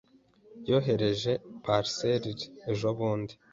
Yohereje parcelle ejobundi.